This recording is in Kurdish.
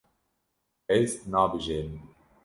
Ez nabijêrim.